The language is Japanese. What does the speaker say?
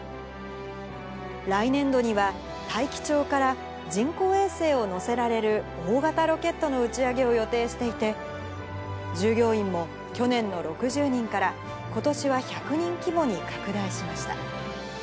来年度には大樹町から人工衛星を載せられる大型ロケットの打ち上げを予定していて、従業員も去年の６０人から、ことしは１００人規模に拡大しました。